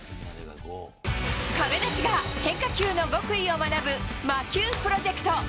亀梨が変化球の極意を学ぶ魔球プロジェクト。